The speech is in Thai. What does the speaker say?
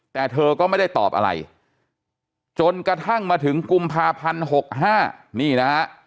แต่เธอก็ไม่ได้ตอบอะไรจนกระทั่งมาถึงกุมภาพันธ์๖๕นี่นะฮะ